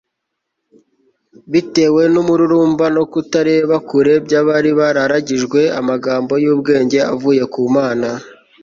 bitewe n'umururumba no kutareba kure by'abari bararagijwe amagambo y'ubwenge avuye ku mana